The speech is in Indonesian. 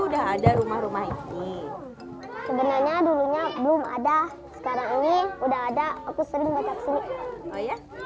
dengan penyelenggaraan dari kementerian pekerjaan umum dan satuan kerja pengembangan sistem penyihatan lingkungan bermukim